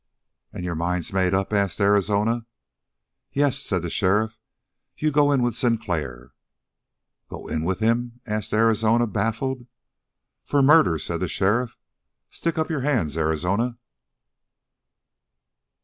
"And your mind's made up?" asked Arizona. "Yes," said the sheriff. "You go in with Sinclair." "Go in with him?" asked Arizona, baffled. "For murder," said the sheriff. "Stick up your hands, Arizona!"